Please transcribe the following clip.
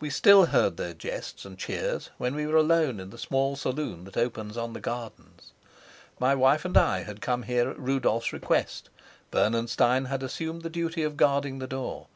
We still heard their jests and cheers when we were alone in the small saloon that opens on the gardens. My wife and I had come here at Rudolf's request; Bernenstein had assumed the duty of guarding the door.